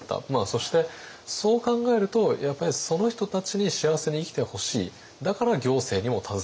そしてそう考えるとやっぱりその人たちに幸せに生きてほしいだから行政にも携わる。